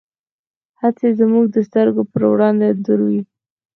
هڅې زموږ د سترګو په وړاندې انځوروي.